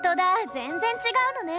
全然違うのね。